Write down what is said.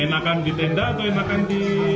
enakan di tenda atau enakan di